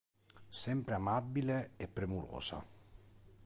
Sempre amabile e premurosa.